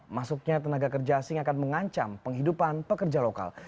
masuknya tenaga kerja asing akan mengancam penghidupan pekerja lokal